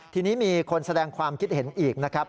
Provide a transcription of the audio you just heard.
ทีนี้มีคนแสดงความคิดเห็นอีกนะครับ